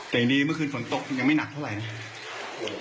แต่ยังดีเมื่อคืนฝนตกยังไม่หนักเท่าไหร่